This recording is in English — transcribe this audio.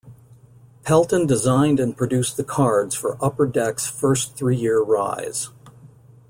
Pelton designed and produced the cards for Upper Decks first three-year rise.